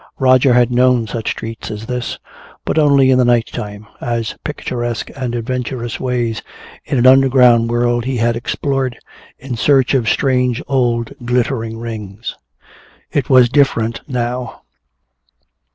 Roger had known such streets as this, but only in the night time, as picturesque and adventurous ways in an underground world he had explored in search of strange old glittering rings. It was different now.